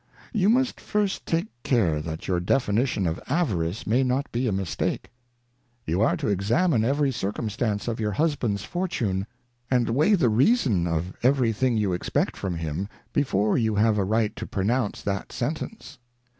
You must first take care that your Definition of Avarice may not be a Mistake. You are to examine every Circumstance of your Husband's Fortune, and weigh the Reason of every thing you expect from him before you have right to pronounce that sen tence.